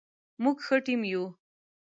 موږ ښه ټیم یو